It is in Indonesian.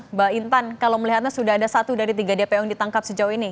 mbak intan kalau melihatnya sudah ada satu dari tiga dpo yang ditangkap sejauh ini